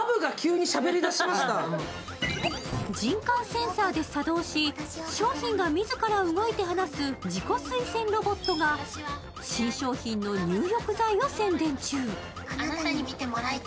こ、こ、これはどういう人感センサーで作動し、商品が自ら動いて話す自己推薦ロボットが新商品の入浴剤を宣伝中。